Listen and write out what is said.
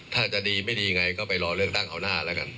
ถ้าจะดีไม่ดีไงก็ไปรอเลือกตั้งเอาหน้าแล้วกัน